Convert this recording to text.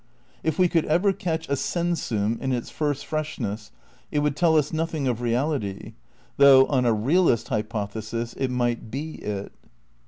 K we could ever catch a sensum in its first freshness it would tell us nothing of reality, though, on a realist hypothesis, it might be it.